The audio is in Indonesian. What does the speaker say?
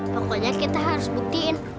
pokoknya kita harus buktiin